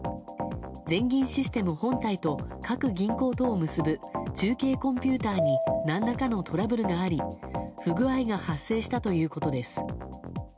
全銀システム本体と各銀行とを結ぶ中継コンピューターに何らかのトラブルがあり不具合が発生したということです。